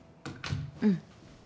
うん。